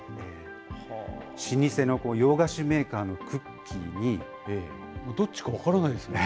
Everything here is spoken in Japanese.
老舗の洋菓子メーカーのクッどっちか分からないですね。